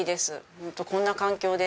ホントこんな環境で。